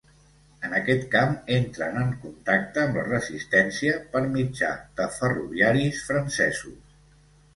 En aquest camp entren en contacte amb la resistència per mitjà de ferroviaris francesos.